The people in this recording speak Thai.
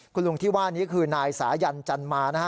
คุณลุงที่ว่านี้คือนายสายันจันมานะฮะ